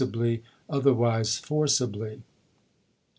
'^''^ ably, otherwise forcibly."